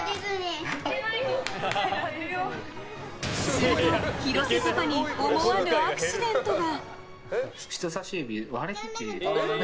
すると廣瀬パパに思わぬアクシデントが！